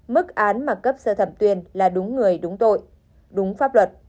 mức án mà cấp sơ thẩm tuyên là đúng người đúng tội đúng pháp luật